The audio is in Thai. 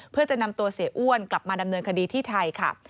เพื่อจะนำตัวเสียอ้วนกลับมาดำเนินคดีที่ไทยค่ะ